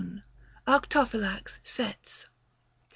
AECTOPHYLAX SETS.